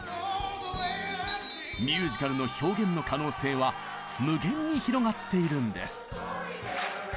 ミュージカルの表現の可能性は無限に広がっているんです。